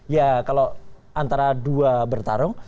ya kalau antara dua bertarung